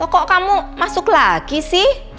kok kamu masuk lagi sih